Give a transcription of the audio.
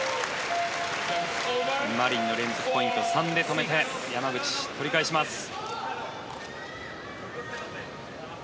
マリンの連続ポイントを３で止めて山口、取り返しました。